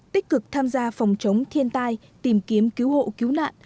tích cực tham gia phòng chống thiên tai tìm kiếm cứu hộ cứu nạn